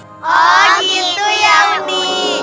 oh gitu ya udi